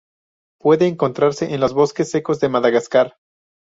Puede encontrarse en los bosques secos de Madagascar.